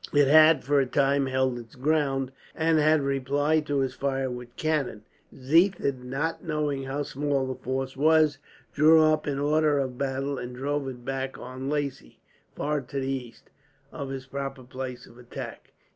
It had for a time held its ground, and had replied to his fire with cannon. Ziethen, not knowing how small the force was, drew up in order of battle and drove it back on Lacy, far to the east of his proper place of attack.